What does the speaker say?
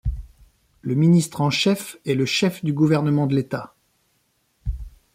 Le ministre en chef est le chef du gouvernement de l'État.